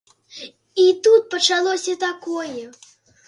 І тут пачалося такое!